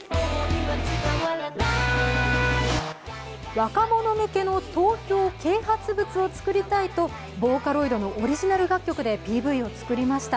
若者向けの投票啓発物を作りたいとボーカロイドのオリジナル楽曲でＰＶを作りました。